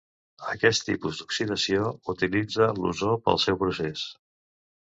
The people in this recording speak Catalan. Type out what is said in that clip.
Aquest tipus d'oxidació utilitza l'ozó pel seu procés.